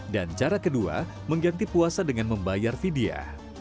dan cara kedua mengganti puasa dengan membayar vidya